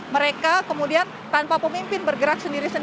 mereka kemudian tanpa pemimpin bergerak sendiri